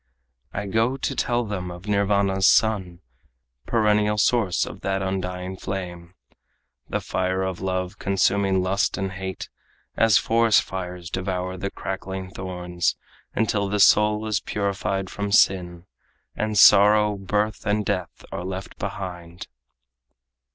I go to tell them of Nirvana's Sun, Perennial source of that undying flame, The fire of love, consuming lust and hate As forest fires devour the crackling thorns, Until the soul is purified from sin, And sorrow, birth and death are left behind."